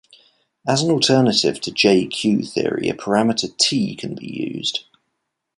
As an alternative to J-Q theory, a parameter T can be used.